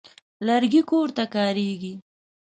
لرګي کور ته کارېږي.